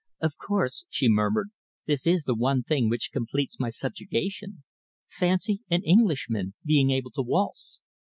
"Of course," she murmured, "this is the one thing which completes my subjugation. Fancy an Englishman being able to waltz!